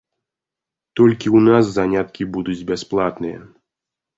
Толькі ў нас заняткі будуць бясплатныя.